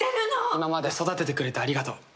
今まで育ててくれてありがとう。